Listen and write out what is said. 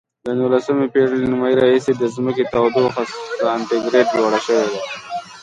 د نولسمې پیړۍ له نیمایي راهیسې د ځمکې تودوخه سانتي ګراد لوړه شوې ده.